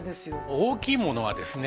大きいものはですね